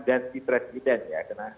ganti presiden ya